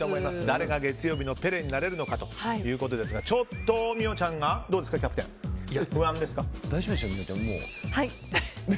誰が月曜日のペレになれるのかということですがちょっと美桜ちゃんがどうですか、キャプテン大丈夫でしょ、美桜ちゃんはい。